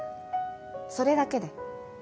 それだけで。